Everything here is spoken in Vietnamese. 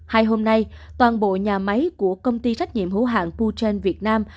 hai hôm nay toàn bộ nhà máy của công ty trách nhiệm hữu hạng poochan việt nam